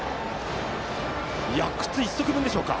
靴１足分でしょうか。